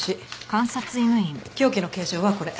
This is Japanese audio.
凶器の形状はこれ。